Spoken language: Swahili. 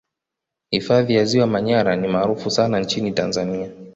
Hifadhi ya Ziwa Manyara ni maarufu sana nchini Tanzania